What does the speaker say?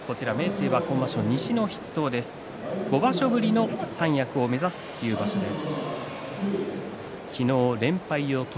明生、今場所、西の筆頭で５場所ぶりの三役を目指しています。